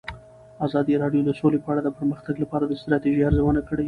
ازادي راډیو د سوله په اړه د پرمختګ لپاره د ستراتیژۍ ارزونه کړې.